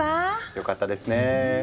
よかったですねぇ。